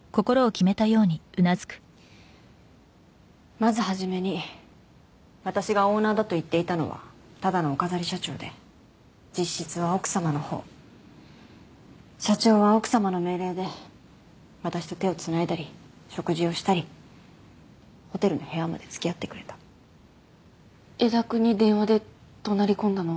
まず初めに私がオーナーだと言っていたのはただのお飾り社長で実質は奥さまのほう社長は奥さまの命令で私と手をつないだり食事をしたりホテルの部屋までつきあってくれた江田君に電話でどなり込んだのは？